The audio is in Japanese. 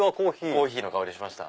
コーヒーの香りしました？